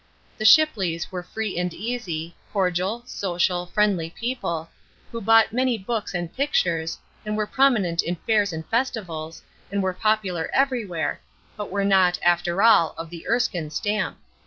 The Shipleys were free and easy, cordial, social, friendly people, who bought many books and pictures, and were prominent in fairs and festivals, and were popular everywhere, but were not, after all, of the Erskine stamp.